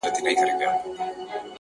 • په ګرداب کی ستاسي کلی د پلار ګور دی ,